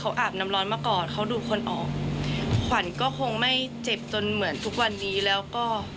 อาบน้ำร้อนมาก่อนเขาดูคนออกขวัญก็คงไม่เจ็บจนเหมือนทุกวันนี้แล้วก็